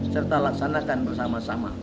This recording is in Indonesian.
serta laksanakan bersama sama